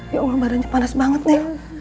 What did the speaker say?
ya allah badannya panas banget nih